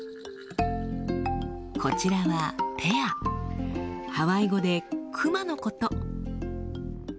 こちらはハワイ語で「熊」のこと。